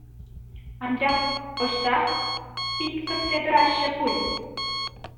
Анчах ӑҫтах пит кӗтсе тӑраҫҫӗ пуль?